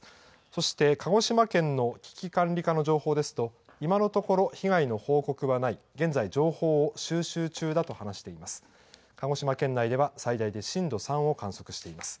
そして、鹿児島県の危機管理課の情報ですと、今のところ、被害の報告はない、現在情報を収集中だと話しています。